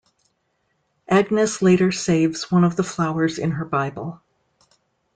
Agnes later saves one of the flowers in her Bible.